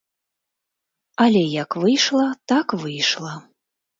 Але як выйшла, так выйшла.